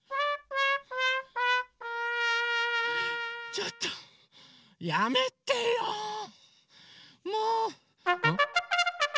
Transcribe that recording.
ちょっとやめてよもう！